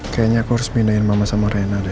kayaknya aku harus pindahin mama sama rena deh